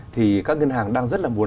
thì các ngân hàng đang rất là muốn